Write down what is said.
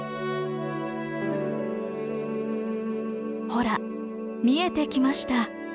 ほら見えてきました。